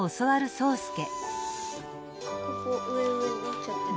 ここ上上になっちゃってる。